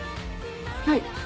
はい？